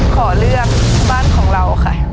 ขอเลือกบ้านของเราค่ะ